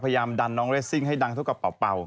พยายามดันน้องเรสซิ่งให้ดังเท่ากับเป่า